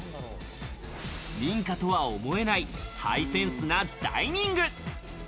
民家とは思えないハイセンスなダイニング。